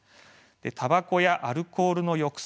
たばこやアルコールの抑制